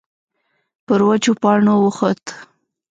پر وچو پاڼو وخوت.